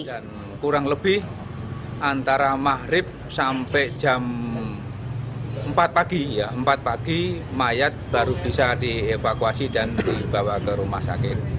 kurang lebih antara mahrib sampai jam empat pagi ya empat pagi mayat baru bisa dievakuasi dan dibawa ke rumah sakit